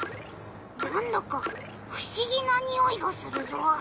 なんだかふしぎなにおいがするぞ。